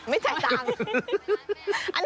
ไม่ใช่ตังค์